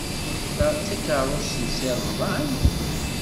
Ta d takeṛṛust n Si Remḍan?